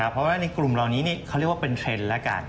เพราะว่าในกลุ่มเหล่านี้เขาเรียกว่าเป็นเทรนด์แล้วกัน